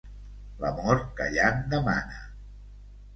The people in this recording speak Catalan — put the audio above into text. L'amor callant demana.